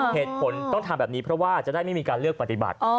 เหตุผลต้องทำแบบนี้เพราะว่าจะได้ไม่มีการเลือกปฏิบัติ